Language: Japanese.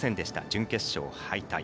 準決勝敗退。